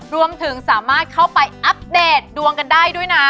รวมถึงสามารถเข้าไปอัปเดตดวงกันได้ด้วยนะ